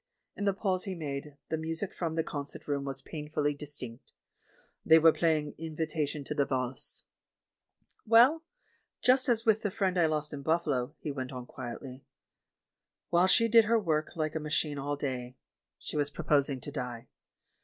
In the pause he made, the music from the con cert room was painfully distinct. They were playing the "Invitation to the Valsc." "Well, just as with the friend I lost in Buf falo," he went on quietly, "while she did her work hke a machine all day, she was proposing to die.